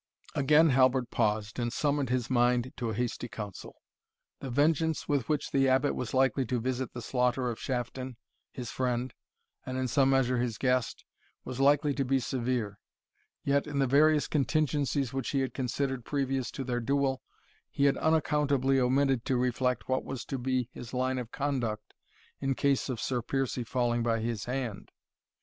Again Halbert paused, and summoned his mind to a hasty council. The vengeance with which the Abbot was likely to visit the slaughter of Shafton, his friend, and in some measure his guest, was likely to be severe; yet, in the various contingencies which he had considered previous to their duel, he had unaccountably omitted to reflect what was to be his line of conduct in case of Sir Piercie falling by his hand.